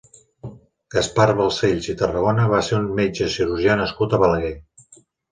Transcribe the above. Gaspar Balcells i Tarragona va ser un metge cirurgià nascut a Balaguer.